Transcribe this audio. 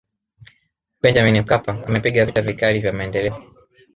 benjamin mkapa amepiga vita vikali vya maendeleo